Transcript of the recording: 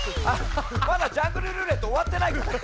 まだ「ジャングルるーれっと」おわってないから。